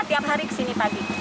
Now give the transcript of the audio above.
tiap hari kesini pagi